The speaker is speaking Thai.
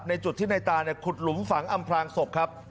จุดที่ในตาขุดหลุมฝังอำพลางศพครับ